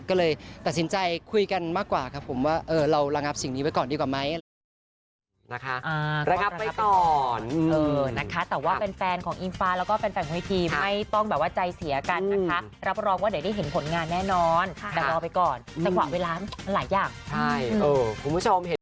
ก็เลยตัดสินใจคุยกันมากกว่าครับผมว่าเราระงับสิ่งนี้ไว้ก่อนดีกว่าไหมอะไรอย่างนี้